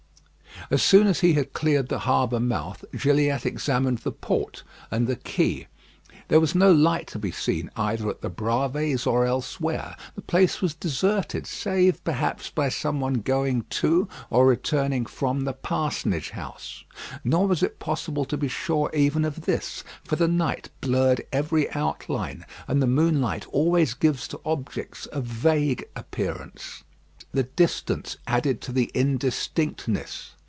As soon as he had cleared the harbour mouth, Gilliatt examined the port and the quay. There was no light to be seen either at the Bravées or elsewhere. The place was deserted, save, perhaps, by some one going to or returning from the parsonage house; nor was it possible to be sure even of this; for the night blurred every outline, and the moonlight always gives to objects a vague appearance. The distance added to the indistinctness.